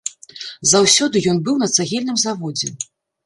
Заўсёды ён быў на цагельным заводзе.